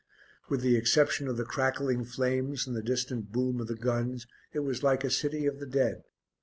With the exception of the crackling flames and the distant boom of the guns, it was like a city of the dead.